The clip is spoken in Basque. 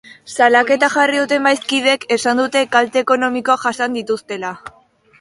Salaketa jarri duten bazkideek esan dute kalte ekonomikoak jasan dituztela.